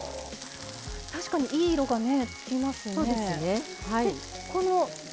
確かにいい色がつきますね。